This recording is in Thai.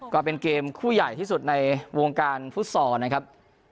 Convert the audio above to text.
ก็เป็นเกมคู่ใหญ่ที่สุดในวงการฟุตซอลนะครับ